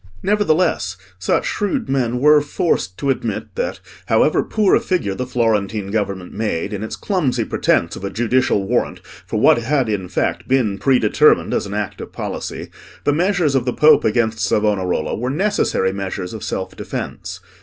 Nevertheless such shrewd men were forced to admit that, however poor a figure the Florentine government made in its clumsy pretence of a judicial warrant for what had in fact been predetermined as an act of policy, the measures of the Pope against Savonarola were necessary measures of self defence.